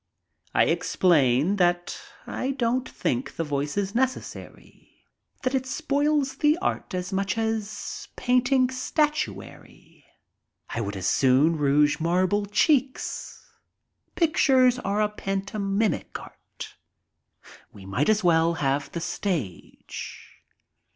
I ex plain that I don't think the voice is necessary, that it spoils the art as much as painting statuary. I would as soon rouge marble cheeks. Pictures are pantomimic art. We might as well have the stage.